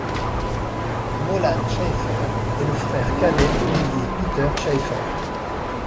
Nolan Schaefer est le frère cadet de l'ailier Peter Schaefer.